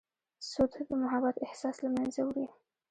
سود د محبت احساس له منځه وړي.